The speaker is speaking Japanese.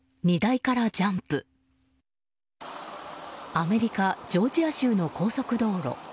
アメリカ・ジョージア州の高速道路。